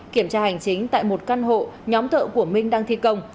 kiểm tra hành chính tại một căn hộ nhóm thợ của minh đang thi công